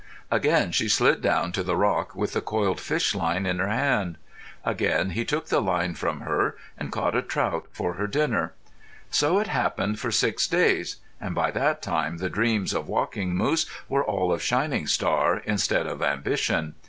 Again she slid down to the rock, with the coiled fish line in her hand. Again he took the line from her and caught a trout for her dinner. So it happened for six days, and by that time the dreams of Walking Moose were all of Shining Star instead of ambition.